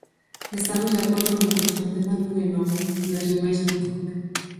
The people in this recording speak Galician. Estamos de acordo nunha cousa: o tema non é novo; nas demais non.